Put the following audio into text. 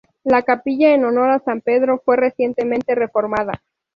La capilla en honor a San Pedro fue recientemente reformada.